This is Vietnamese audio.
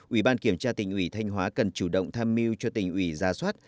ủy ban kiểm tra tỉnh ủy thanh hóa cần chủ động tham mưu cho tỉnh ủy ra soát